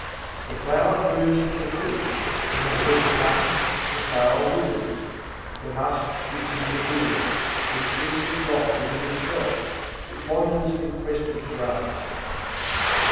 The flower blooms for the fruit: when the fruit comes, the flower withers. The musk is in the deer, but it seeks it not within itself: it wanders in quest of grass.